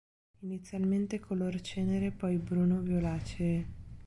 Inizialmente color cenere, poi bruno-violacee.